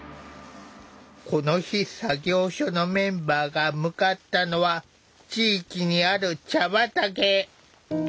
この日作業所のメンバーが向かったのは地域にある茶畑。